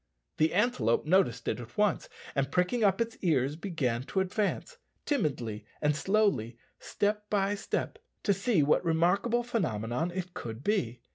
The antelope noticed it at once, and, pricking up its ears, began to advance, timidly and slowly, step by step, to see what remarkable phenomenon it could be.